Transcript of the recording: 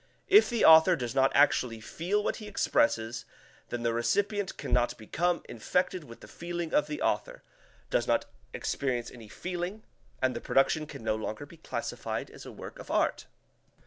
If the author does not actually feel what he expresses, then the recipient can not become infected with the feeling of the author, does not experience any feeling, and the production can no longer be classified as a work of art.